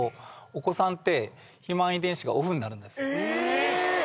お子さんって肥満遺伝子がオフになるんですえっ